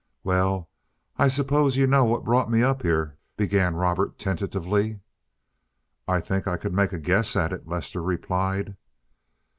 "Well, I suppose you know what brought me up here," began Robert tentatively. "I think I could make a guess at it," Lester replied.